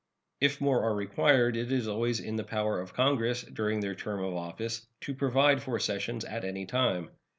If more are required, it is always in the power of Congress, during their term of office, to provide for sessions at any time.